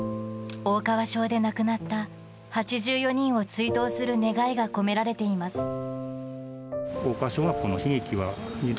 大川小で亡くなった８４人を追悼する願いが込められています。